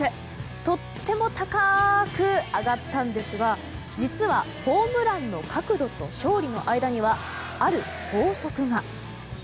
とっても高く上がったんですが実はホームランの角度と勝利の間にはある法則が。